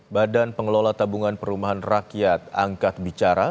badan pengelola tabungan perumahan rakyat angkat bicara